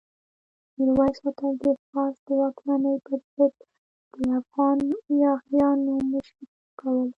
میرویس هوتک د فارس د واکمنۍ پر ضد د افغان یاغیانو مشري کوله.